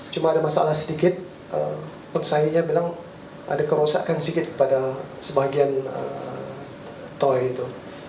kalau ada masalah sedikit konsainya bilang ada kerusakan sedikit pada sebagian toy itu